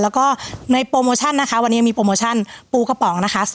แล้วก็ในโปรโมชั่นนะคะวันนี้มีโปรโมชั่นปูกระป๋องนะคะ